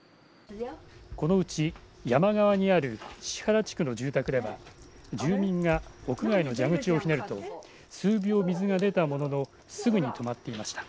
このうち山側にある宍原地区の住宅では住民が屋外の蛇口をひねると数秒水が出たもののすぐに止まっていました。